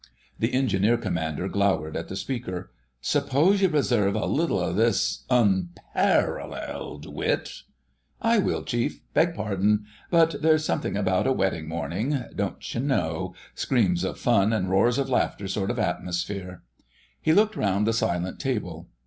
The Engineer Commander glowered at the speaker. "Suppose ye reserve a little of this unpar r ralleled wit——" "I will, Chief—beg pardon. But there's something about a wedding morning—don't you know? Screams of fun and roars of laughter sort of atmosphere." He looked round the silent table.